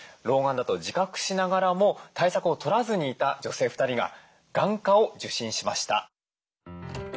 老眼だと自覚しながらも対策を取らずにいた女性２人が眼科を受診しました。